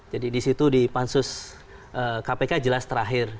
jadi di situ di pansus kpk jelas terakhir